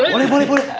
boleh boleh boleh